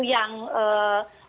kita bisa membuat